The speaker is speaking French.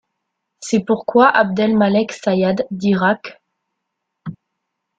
C'est pourquoi Abdelmalek Sayad dira qu'.